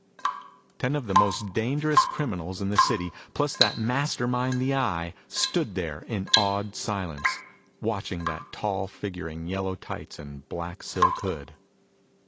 Ten of the most dangerous criminals in the city plus that master mind, the Eye, stood there in awed silence, watching that tall figure in yellow tights and black silk hood.